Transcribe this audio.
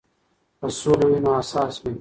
که سوله وي نو حساس وي.